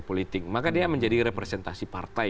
politik maka dia menjadi representasi partai